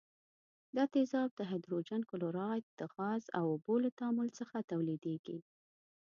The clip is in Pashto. دا تیزاب د هایدروجن کلوراید د غاز او اوبو له تعامل څخه تولیدیږي.